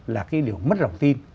là cái điều mất lòng tin